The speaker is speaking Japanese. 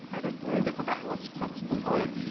受け答えもしっかりしていて。